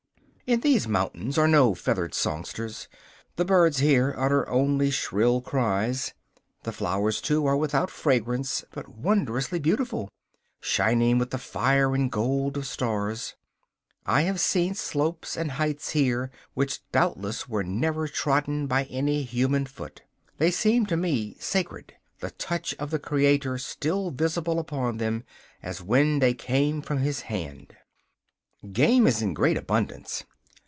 In these mountains are no feathered songsters. The birds here utter only shrill cries. The flowers, too, are without fragrance, but wondrously beautiful, shining with the fire and gold of stars. I have seen slopes and heights here which doubtless were never trodden by any human foot. They seem to me sacred, the touch of the Creator still visible upon them, as when they came from His hand. Game is in great abundance.